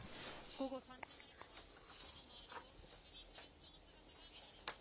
午後３時前から、木の周りを確認する人の姿が見られます。